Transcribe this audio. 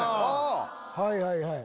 はいはいはい。